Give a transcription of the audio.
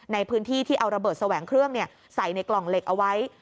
ในพื้นที่ที่เอาระเบิดแสวงเครื่องใส่ในกล่องเหล็กเอาไว้